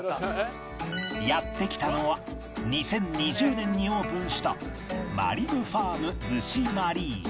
やって来たのは２０２０年にオープンしたマリブファーム逗子マリーナ